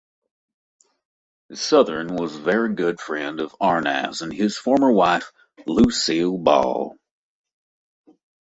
Sothern was a very good friend of Arnaz and his former wife Lucille Ball.